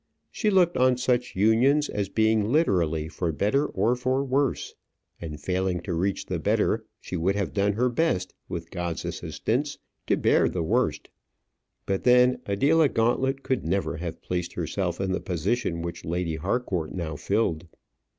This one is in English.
She looked on such unions as being literally for better or for worse; and failing to reach the better, she would have done her best, with God's assistance, to bear the worst. But then Adela Gauntlet could never have placed herself in the position which Lady Harcourt now filled.